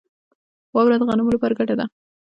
واوره د غنمو لپاره ګټه لري.